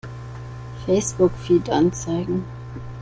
Facebook-Feed anzeigen!